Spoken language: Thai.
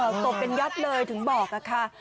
ตกเป็นยัดเลยถึงบอกค่ะ